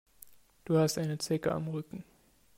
Du hast eine Zecke am Rücken.